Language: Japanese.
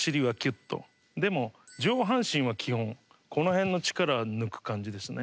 上半身は基本この辺の力は抜く感じですね。